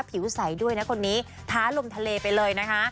ผิวใสด้วยนะคนนี้ท้าลมทะเลไปเลยนะคะ